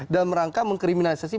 dalam rangka mengkriminalisasi